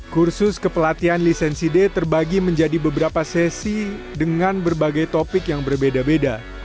kursus kepelatihan lisensi d terbagi menjadi beberapa sesi dengan berbagai topik yang berbeda beda